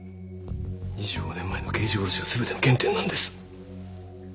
２５年前の刑事殺しがすべての原点なんです